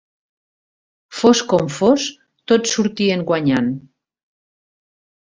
Fos com fos, tots sortien guanyant.